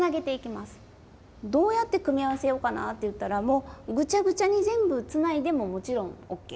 どうやって組み合わせようかなっていったらもうぐちゃぐちゃに全部つないでももちろんＯＫ。